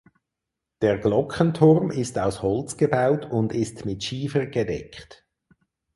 Der Glockenturm ist aus Holz gebaut und ist mit Schiefer gedeckt.